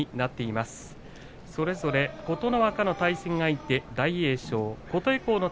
それぞれ琴ノ若の対戦相手大栄翔。